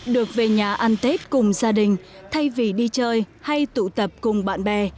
được về nhà ăn tết cùng gia đình thay vì đi chơi hay tụ tập cùng bạn bè